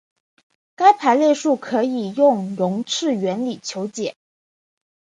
该排列数可以用容斥原理求解。